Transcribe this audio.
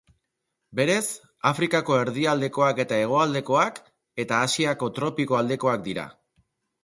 Berez, Afrikako erdialdekoak eta hegoaldekoak, eta Asiako tropiko aldekoak dira.